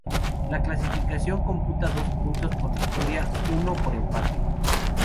La clasificación computa dos puntos por victoria, uno por empate.